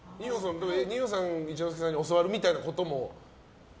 二葉さんは一之輔さんに教わるみたいなことも？